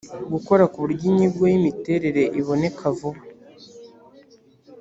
gukora ku buryo inyigo y’imiterere iboneka vuba